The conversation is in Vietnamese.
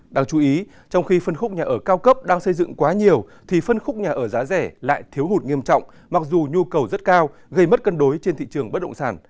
đáng chú ý trong khi phân khúc nhà ở cao cấp đang xây dựng quá nhiều thì phân khúc nhà ở giá rẻ lại thiếu hụt nghiêm trọng mặc dù nhu cầu rất cao gây mất cân đối trên thị trường bất động sản